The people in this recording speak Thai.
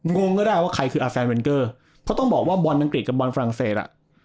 งงก็ได้ว่าใครคืออาแซนเวนเกอร์เพราะต้องบอกว่าบอลอังกฤษกับบอลฝรั่งเศสอ่ะ